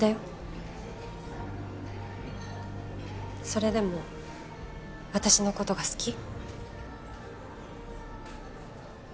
それでも私の事が好き？